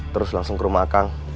terus langsung ke rumah kang